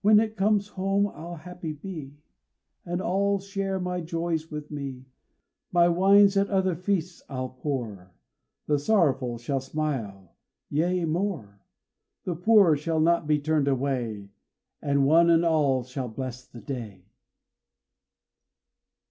When it comes home I'll happy be, And all share my joy with me. My wines at other feasts I'll pour, The sorrowful shall smile yea, more, The poor shall not be turned away, And one and all shall bless the day.